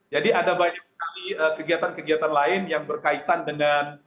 ada banyak sekali kegiatan kegiatan lain yang berkaitan dengan